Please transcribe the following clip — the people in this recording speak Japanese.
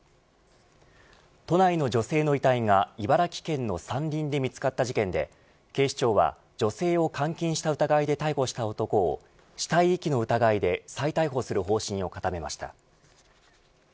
都内の女性の遺体が茨城県の山林で見つかった事件で警視庁は女性を監禁した疑いで逮捕した男を死体遺棄の疑いで再逮捕する方針を固めました。